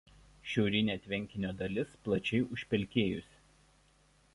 Šiaurinė tvenkinio dalis plačiai užpelkėjusi.